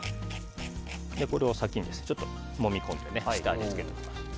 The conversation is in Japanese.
これを先にもみ込んで下味を付けておきます。